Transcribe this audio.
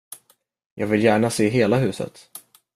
Jag vill gärna se hela huset.